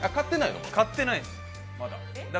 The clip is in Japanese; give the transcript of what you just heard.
買ってないです、まだ。